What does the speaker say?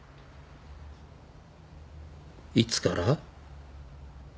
いつから？